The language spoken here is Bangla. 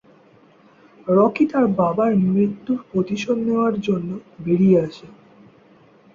রকি তার বাবার মৃত্যুর প্রতিশোধ নেওয়ার জন্য বেরিয়ে আসে।